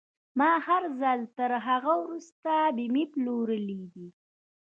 ما هر ځل تر هغه وروسته بيمې پلورلې دي.